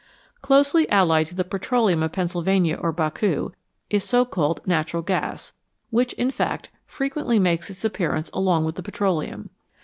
Closely allied to the petroleum of Pennsylvania or Baku is so called " natural gas," which, in fact, frequently makes its appearance along with the petroleum.